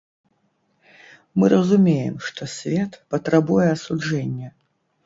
Мы разумеем, што свет патрабуе асуджэння.